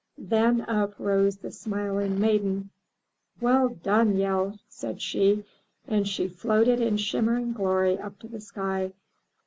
Then up rose the smiling Maiden. "Well done, Yehl," said she. And she floated in shimmering glory up to the sky.